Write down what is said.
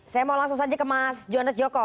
saya mau langsung saja ke mas jonas joko